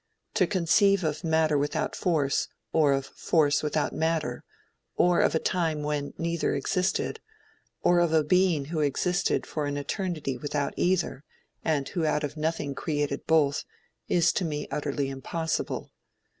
To conceive of matter without force, or of force without matter, or of a time when neither existed, or of a being who existed for an eternity without either, and who out of nothing created both, is to me utterly impossible.